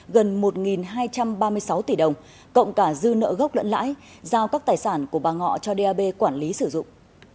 gần một hai trăm ba mươi sáu tỷ đồng cộng cả dư nợ gốc lẫn lãi giao các tài sản của bà ngọ cho dap quản lý sử dụng